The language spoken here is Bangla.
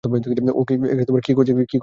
কী করছো?